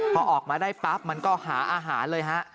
พอออกมาได้ปั๊บมันก็หาอาหารเลยฮะ